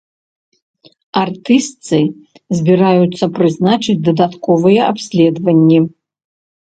Артыстцы збіраюцца прызначыць дадатковыя абследаванні.